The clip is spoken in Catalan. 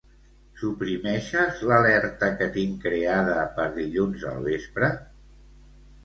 Suprimeixes l'alerta que tinc creada per dilluns al vespre?